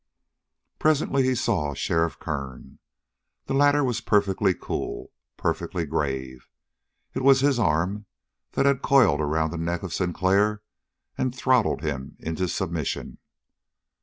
Presently he saw Sheriff Kern. The latter was perfectly cool, perfectly grave. It was his arm that had coiled around the neck of Sinclair and throttled him into submission.